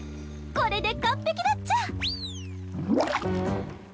これで完璧だっちゃ。